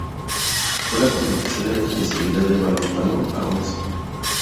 Fue una competición en la especialidad de balonmano a once.